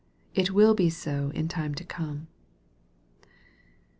It will be so in time to come.